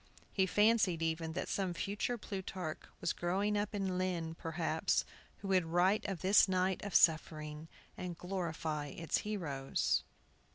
He fancied, even, that some future Plutarch was growing up in Lynn, perhaps, who would write of this night of suffering, and glorify its heroes.